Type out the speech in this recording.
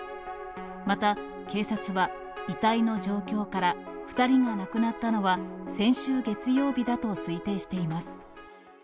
また、警察は遺体の状況から、２人が亡くなったのは先週月曜日だと推定しています。